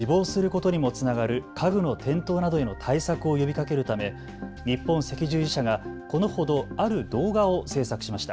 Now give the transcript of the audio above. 最悪の場合、死亡することにもつながる家具の転倒などへの対策を呼びかけるため日本赤十字社がこのほどある動画を制作しました。